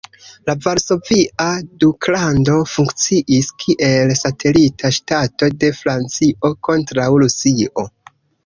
La Varsovia Duklando funkciis kiel satelita ŝtato de Francio kontraŭ Rusio.